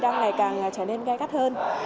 ngày càng trở nên gai cắt hơn